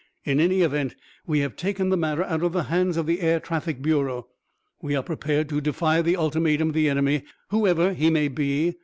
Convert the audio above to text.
In any event, we have taken the matter out of the hands of the Air Traffic Bureau. We are prepared to defy the ultimatum of the enemy, whoever he may be.